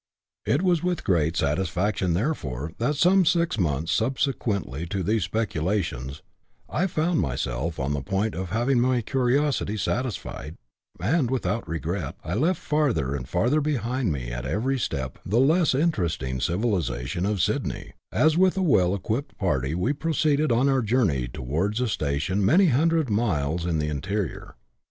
It was with great satisfaction, therefore, that, some six months subsequently to these speculations, I found myself on the point of having my curiosity satisfied, and without regret I left farther and farther behind me at every step the less interesting civiliza tion of Sydney, as with a well equipped party we proceeded on our journey towards a station many hundred miles in the interior.